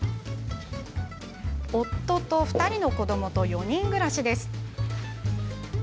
夫と２人の子どもと４人暮らしです。